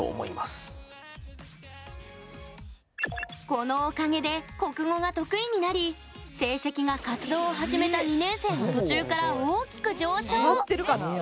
このおかげで国語が得意になり成績が活動を始めた２年生の途中から大きく上昇！